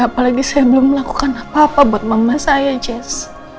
apalagi saya belum melakukan apa apa buat mama saya jazz